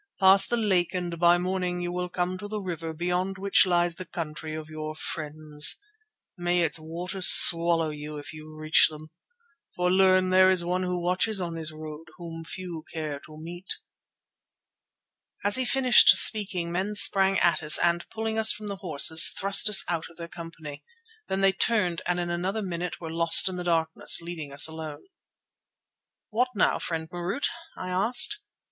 Pass the lake and by morning you will come to the river beyond which lies the country of your friends. May its waters swallow you if you reach them. For learn, there is one who watches on this road whom few care to meet." As he finished speaking men sprang at us and, pulling us from the horses, thrust us out of their company. Then they turned and in another minute were lost in the darkness, leaving us alone. "What now, friend Marût?" I asked.